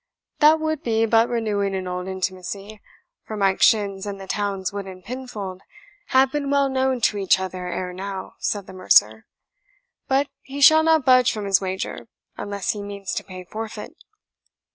"That would be but renewing an old intimacy, for Mike's shins and the town's wooden pinfold have been well known to each other ere now," said the mercer; "but he shall not budge from his wager, unless he means to pay forfeit."